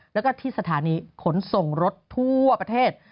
และสถานีขนส่งรถทั่วประเทศ